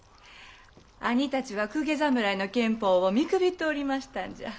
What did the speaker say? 兄たちは公家侍の剣法を見くびっておりましたんじゃ。